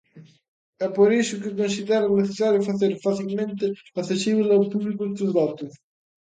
É por iso que considera necesario facer facilmente accesíbel ao público estes datos.